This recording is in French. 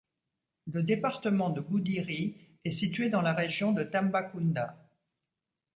Le département de Goudiry est situé dans la région de Tambacounda.